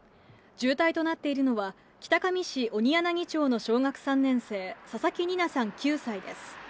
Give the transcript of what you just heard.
重体となっているのは、北上市鬼柳町の小学３年生、佐々木仁寧さん９歳です。